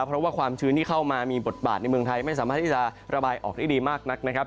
เพราะว่าความชื้นที่เข้ามามีบทบาทในเมืองไทยไม่สามารถที่จะระบายออกได้ดีมากนักนะครับ